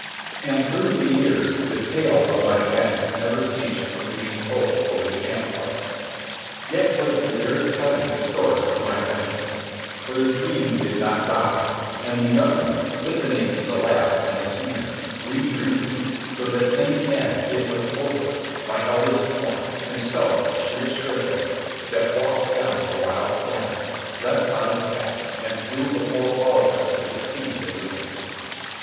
And through the years the tale of my madness never ceased from being told over the camp fire. Yet was the very telling the source of my vengeance; for the dream did not die, and the young ones, listening to the laugh and the sneer, redreamed it, so that in the end it was Othar, my eldest born, himself a sheer stripling, that walked down a wild stallion, leapt on its back, and flew before all of us with the speed of the wind.